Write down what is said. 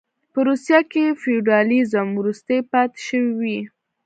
په روسیه کې فیوډالېزم وروستۍ پاتې شوې وې.